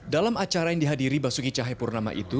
dalam acara yang dihadiri basuki cahaya purnama itu